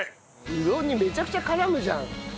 うどんにめちゃくちゃ絡むじゃん。